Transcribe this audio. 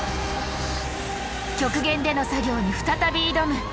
極限での作業に再び挑む！